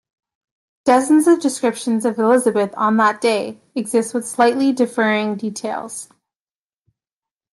Dozens of descriptions of Elizabeth on that day exist with slightly differing details.